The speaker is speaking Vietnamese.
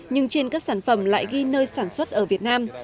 nhưng trên các sản phẩm lại ghi nơi sản xuất ở việt nam